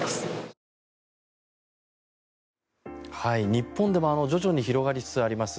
日本でも徐々に広がりつつあります